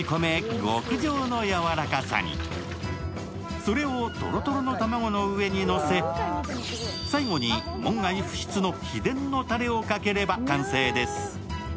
それをトロトロの卵の上にのせ、最後に門外不出の秘伝のたれをかければ完成です。